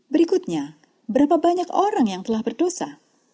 berikutnya berapa banyak orang yang telah berdosa